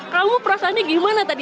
kamu perasaannya gimana tadi